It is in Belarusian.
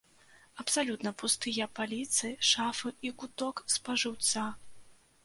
Абсалютна пустыя паліцы шафы і куток спажыўца.